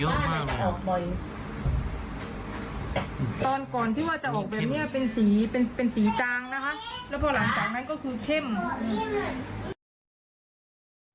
ตอนก่อนที่ว่าจะออกแบบนี้เป็นสีกลางนะคะ